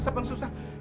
siapa yang susah